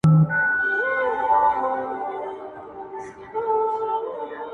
له وختونو مي تر زړه ویني څڅیږي!!